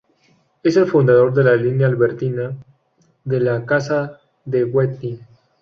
Es el fundador de la línea albertina de la Casa de Wettin.